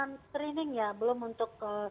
screening ya belum untuk